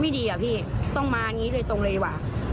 ดีอะพี่ต้องมาอย่างนี้โดยตรงเลยดีกว่า